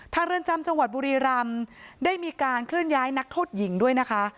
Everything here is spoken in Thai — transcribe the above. เรือนจำจังหวัดบุรีรำได้มีการเคลื่อนย้ายนักโทษหญิงด้วยนะคะ